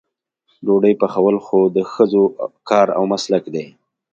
ډوډۍ پخول خو د ښځو کار او مسلک دی.